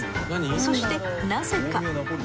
そしてなぜか。